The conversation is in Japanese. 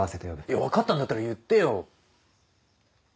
いや分かったんだったら言ってよ。